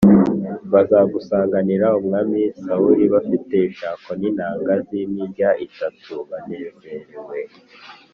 baza gusanganira Umwami Sawuli bafite ishako n’inanga z’imirya itatu, banezerewe.